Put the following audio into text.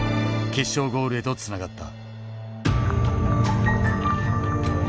決勝ゴールへとつながった。